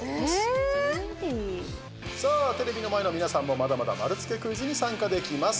テレビの前の皆さんもまだまだ丸つけクイズに参加できます。